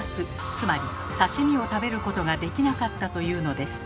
つまり刺身を食べることができなかったというのです。